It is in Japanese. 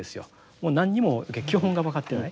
もう何にも基本が分かってない。